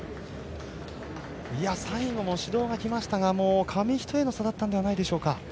最後に指導が来ましたが紙一重の差だったんじゃないでしょうか。